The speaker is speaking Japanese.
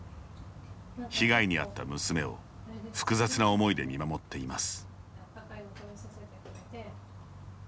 被害に遭った娘を複雑な思いで見守っています。